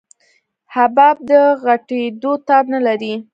حباب د غټېدو تاب نه لري.